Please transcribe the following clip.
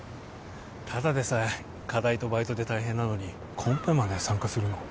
ただでさえ課題とバイトで大変なのにコンペまで参加するの？